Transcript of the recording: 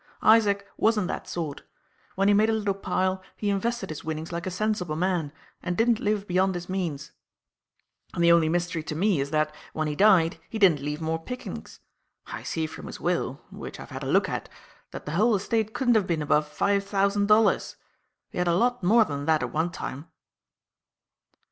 Isaac wasn't that sort. When he made a little pile, he invested his winnings like a sensible man and didn't live beyond his means; and the only mystery to me is that, when he died, he didn't leave more pickings. I see from his will which I've had a look at that the whole estate couldn't have been above five thousand dollars. He had a lot more than that at one time."